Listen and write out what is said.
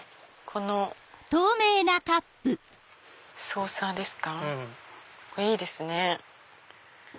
これいいですね。